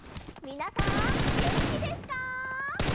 みなさんげんきですか？